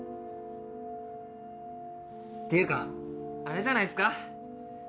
っていうかあれじゃないっすか。